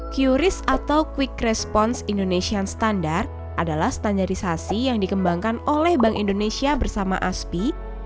qris atau quick response indonesian standard adalah standarisasi yang dikembangkan oleh bank indonesia bersama aspi